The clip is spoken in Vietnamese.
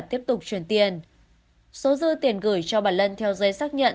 tiếp tục chuyển tiền số dư tiền gửi cho bà lân theo giấy xác nhận